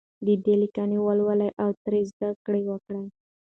د ده لیکنې ولولو او ترې زده کړه وکړو.